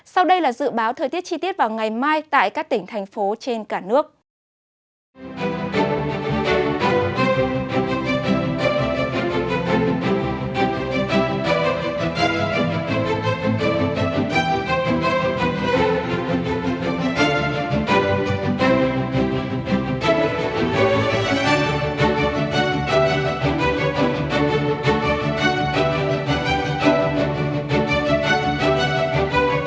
sau đây là dự báo thời tiết chi tiết vào ngày mai tại các tỉnh thành phố trên cả nước